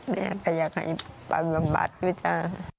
แม่ก็อยากให้บำบัดด้วยจ้ะ